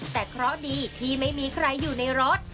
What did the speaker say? แต่เคราะห์ดีที่ไม่มีใครอยู่ในรถ